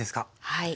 はい。